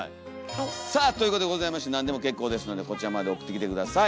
さあということでございまして何でも結構ですのでこちらまで送ってきて下さい。